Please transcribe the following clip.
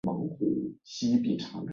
终于他们到了医院门口